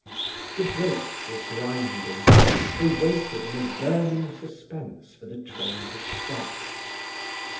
The brakes were grinding. They waited in a burning suspense for the train to stop.